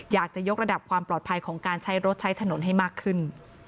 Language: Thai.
อยากจะยกระดับความปลอดภัยของการใช้รถใช้ถนนให้มากขึ้น